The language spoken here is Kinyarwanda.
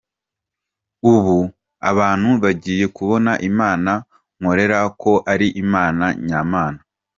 Ubu abantu bagiye kubona Imana nkorera ko ari Imana nya Mana.